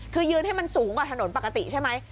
คือยืนให้มันสูงกว่าถนนปกติใช่ไหม